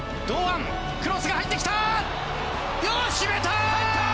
決めた！